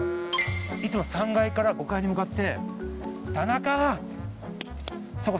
いつも３階から５階に向かって。